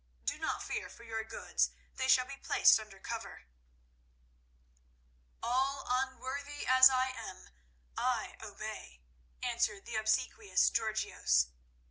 Do not fear for your goods; they shall be placed under cover." "All unworthy as I am, I obey," answered the obsequious Georgios.